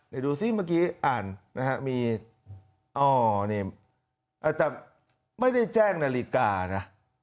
ไปดูสิเมื่อกี้อ่านนะครับมีโอ้นี่อาจจะไม่ได้แจ้งนริกานะ